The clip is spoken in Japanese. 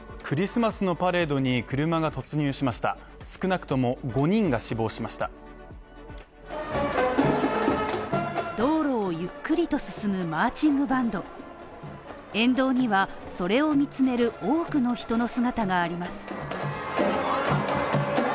クリスマスのパレードに車が突入しました沿道には、それを見つめる多くの人の姿があります。